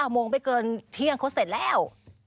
โมงไม่เกินเที่ยงเขาเสร็จแล้ว